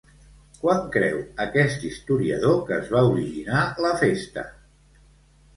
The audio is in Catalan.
Quan creu aquest historiador que es va originar la festa?